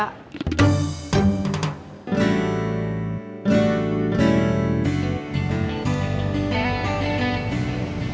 tapi udah ngerti kan